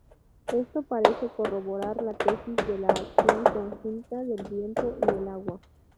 Esto parece corroborar la tesis de la acción conjunta del viento y el agua.